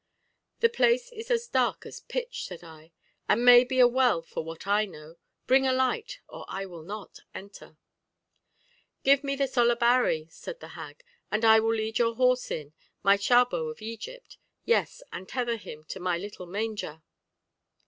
"The place is as dark as pitch," said I, "and may be a well for what I know; bring a light, or I will not enter." "Give me the solabarri," said the hag, "and I will lead your horse in, my chabó of Egypt yes, and tether him to my little manger."